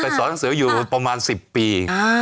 สอนหนังสืออยู่ประมาณ๑๐ปี